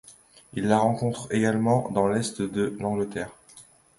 On la rencontre également dans l'est de l'Angleterre.